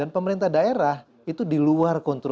dan pemerintah daerah itu diluar konteks